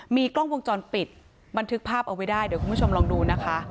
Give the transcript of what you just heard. มีกล้องวงจรปิดบันทึกภาพเอาไว้ได้เดี๋ยวคุณผู้ชมลองดูนะคะ